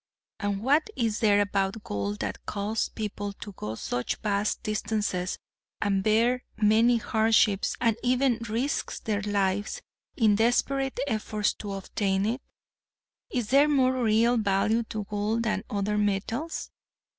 And what is there about gold that caused people to go such vast distances and bear many hardships and even risk their lives in desperate efforts to obtain it? Is there more real value to gold than other metals?